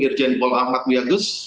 irjen pol amatwiagus